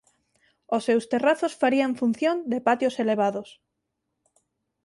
Os seus terrazos farían función de patios elevados.